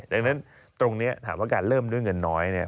ดังนั้นตรงนี้ถามว่าการเริ่มด้วยเงินน้อยเนี่ย